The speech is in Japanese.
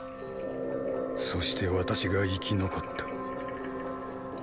そして私が生き残った。